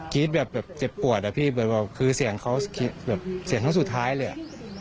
กรี๊ดแบบเจ็บปวดอะพี่เหมือนว่าคือเสียงเขาเสียงทั้งสุดท้ายเลย